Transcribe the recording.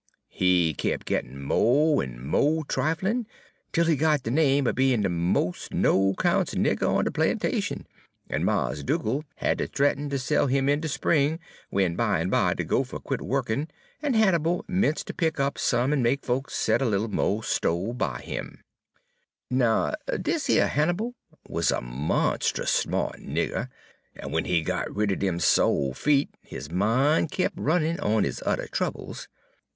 He kep' gittin' mo' en mo' triflin', 'tel he got de name er bein' de mos' no 'countes' nigger on de plantation, en Mars' Dugal' had ter th'eaten ter sell 'im in de spring, w'en bimeby de goopher quit wukkin', en Hannibal 'mence' ter pick up some en make folks set a little mo' sto' by 'im. "Now, dis yer Hannibal was a monst'us sma't nigger, en w'en he got rid er dem so' feet, his min' kep' runnin' on 'is udder troubles.